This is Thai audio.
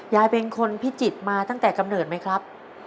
ยายเป็นคนพิจิตรมาตั้งแต่กำเนิดไหมครับ